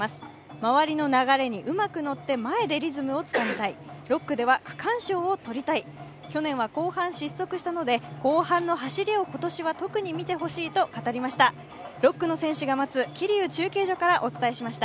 周りの流れにうまく乗って前でリズムをつかみたい６区では区間賞を取りたい、去年は後半失速したので後半の走りを特に今年は見てほしいと語りました。